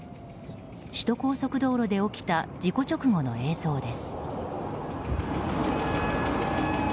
首都高速道路で起きた事故直後の映像です。